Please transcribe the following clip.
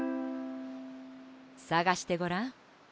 さがしてごらん。